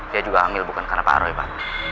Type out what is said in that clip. dia juga hamil bukan karena pak roy pak